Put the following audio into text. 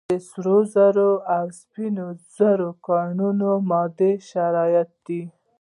د سرو زرو او سپینو زرو کانونه مادي شرایط دي.